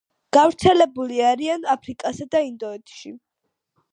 გავრცელებული არიან აფრიკასა და ინდოეთში.